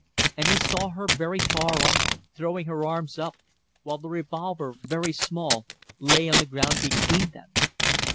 ... And he saw her very far off, throwing her arms up, while the revolver, very small, lay on the ground between them.